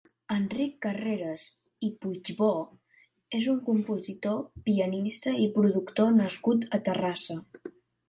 Enric Carreras i Puigbò és un compositor, pianista i productor nascut a Terrassa.